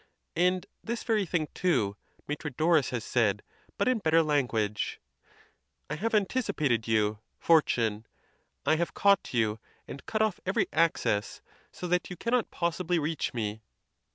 And this very thing, too, Metrodorus has said, but in better language: "I have anticipated you, Fortune; I have caught you, and cut off every access, so that you cannot possibly reach me."